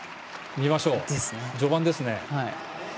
見ましょう、序盤ですね。